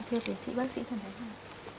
thưa thầy sĩ bác sĩ trần thái phạm